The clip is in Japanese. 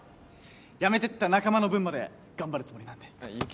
やめてった仲間の分まで頑張るつもりなんで有起哉